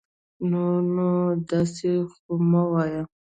نور نو داسي خو مه وايه